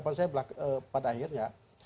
sesuatu yang dimana harapan saya pada akhirnya